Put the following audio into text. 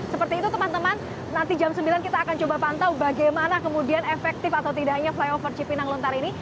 seperti itu teman teman nanti jam sembilan kita akan coba pantau bagaimana kemudian efektif atau tidaknya flyover cipinang lontar ini